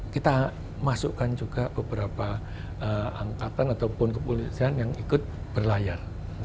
kita masukkan juga beberapa angkatan ataupun kepolisian yang ikut berlayar